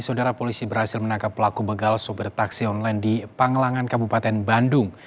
saudara polisi berhasil menangkap pelaku begal sopir taksi online di panglangan kabupaten bandung